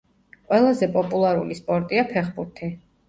ყველაზე პოლულარული სპორტია ფეხბურთი.